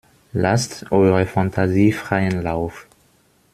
Lasst eurer Fantasie freien Lauf!